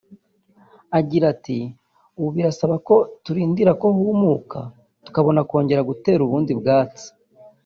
Agira ati “Ubu birasaba ko turindira ko humuka tukabona kongera gutera bundi bushya